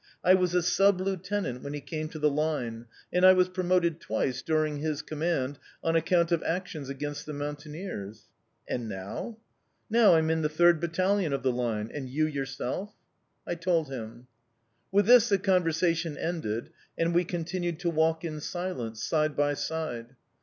"I was a sub lieutenant when he came to the Line; and I was promoted twice, during his command, on account of actions against the mountaineers." "And now ?" "Now I'm in the third battalion of the Line. And you yourself?" I told him. With this the conversation ended, and we continued to walk in silence, side by side.